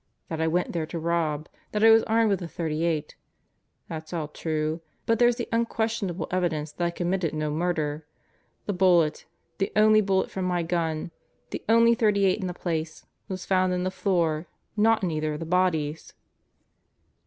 That I went there to rob. That I was armed with the .38. That's all true. But there's the unquestionable evidence that I committed no murder: the bullet, the only bullet from my gun, the only .38 in the place, was found in the floor, not in either of the bodies!